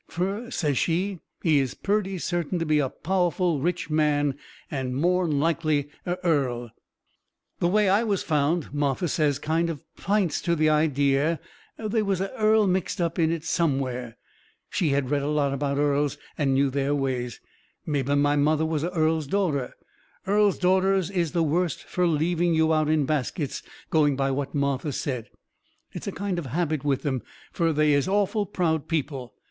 Fur, says she, he is purty certain to be a powerful rich man and more'n likely a earl. The way I was found, Martha says, kind o' pints to the idea they was a earl mixed up in it somewhere. She had read a lot about earls, and knew their ways. Mebby my mother was a earl's daughter. Earl's daughters is the worst fur leaving you out in baskets, going by what Martha said. It is a kind of a habit with them, fur they is awful proud people.